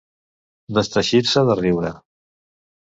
Desteixir-se de riure.